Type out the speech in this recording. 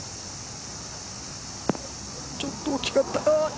ちょっと大きかったか。